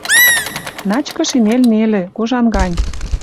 Начкы шинель нелӹ, кожан гань.